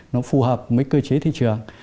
nó phù hợp với cơ chế thị trường